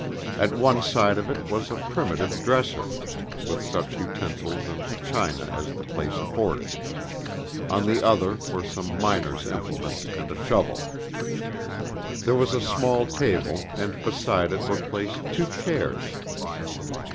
At one side of it was a primitive dresser, with such utensils and china as the place afforded; on the other were some miner's implements and a shovel. There was a small table and beside it were placed two chairs.